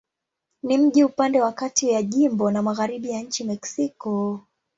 Ni mji upande wa kati ya jimbo na magharibi ya nchi Mexiko.